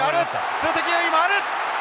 数的優位もある！